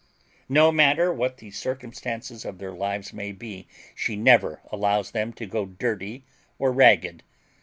No matter what the circumstances of their lives may be, she never allows them to go dirty or ragged.